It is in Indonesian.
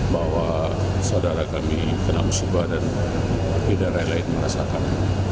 bahwa saudara kami penamusibah dan pindah raya lain merasakan